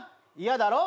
嫌だろ？